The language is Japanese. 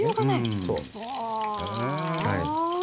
そう。